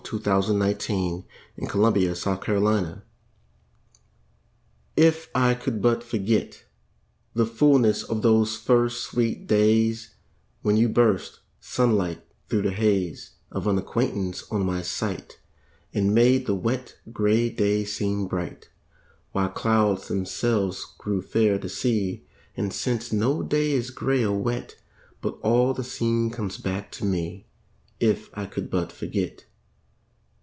Paul Laurence Dunbar If I Could But Forget IF I could but forget The fullness of those first sweet days, When you burst sun like thro' the haze Of unacquaintance, on my sight, And made the wet, gray day seem bright While clouds themselves grew fair to see. And since, no day is gray or wet But all the scene comes back to me, If I could but forget.